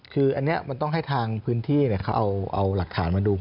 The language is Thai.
คืออันนี้มันต้องให้ทางพื้นที่เขาเอาหลักฐานมาดู